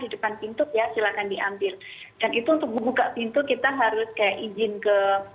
di depan pintu ya silahkan diambil dan itu untuk buka pintu kita harus kayak izin ke